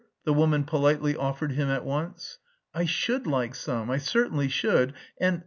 the woman politely offered him at once. "I should like some, I certainly should, and...